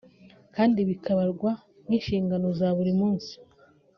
kandi bikabarwa nk’inshingano za buri munsi